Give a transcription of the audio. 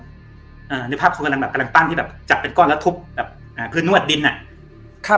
เนื้อภาพเขากำลังตั้นที่จัดเป็นก้อนแล้วทุบพื้นนวดดินอะ